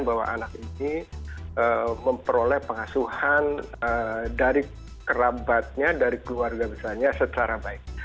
bahwa anak ini memperoleh pengasuhan dari kerabatnya dari keluarga besarnya secara baik